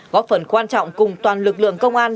góp phần quan trọng cùng toàn lực lượng công an